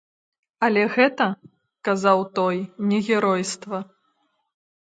Але гэта, казаў той, не геройства.